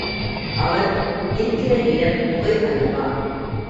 அவர் இருக்கிற இடம் குகை அல்லவா?